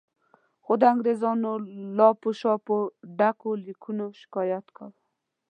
خو د انګریزانو له لاپو شاپو ډکو لیکونو شکایت کاوه.